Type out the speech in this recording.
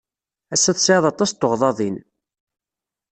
Ass-a tesɛiḍ aṭas n tuɣdaḍin.